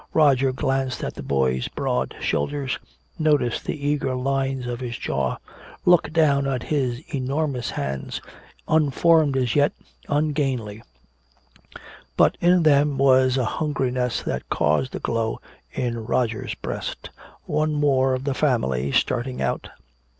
Roger glanced at the boy's broad shoulders, noticed the eager lines of his jaw, looked down at his enormous hands, unformed as yet, ungainly; but in them was a hungriness that caused a glow in Roger's breast. One more of the family starting out.